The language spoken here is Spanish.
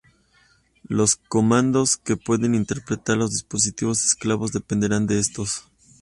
Los comandos que pueden interpretar los dispositivos esclavos dependerán de estos.